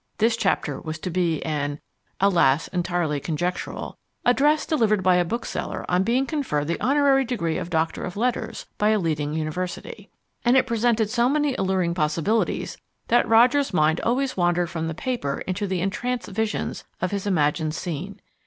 This chapter was to be an (alas, entirely conjectural) "Address Delivered by a Bookseller on Being Conferred the Honorary Degree of Doctor of Letters by a Leading University," and it presented so many alluring possibilities that Roger's mind always wandered from the paper into entranced visions of his imagined scene.